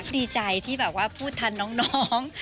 ดีใจที่แบบว่าพูดทันน้อง